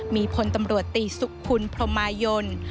มีคนตำรวจตีสุขคุณพรหมายยนต์